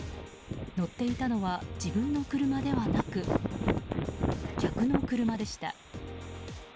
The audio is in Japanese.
乗っていたのは自分の車ではなく客の車でした。